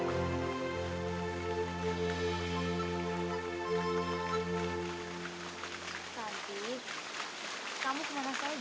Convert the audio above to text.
kamu sudah mengerti perasaan aku